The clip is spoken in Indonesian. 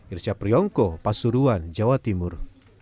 irsyapriyongko pasuruan jawa timur